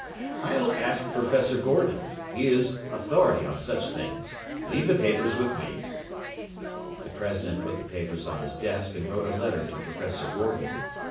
I'll ask professor Gordon. He is authority on such things. Leave the papers with me.” The president put the papers on his desk and wrote a letter to Professor Gordon.